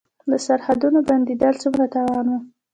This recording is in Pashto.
د سرحدونو بندیدل څومره تاوان و؟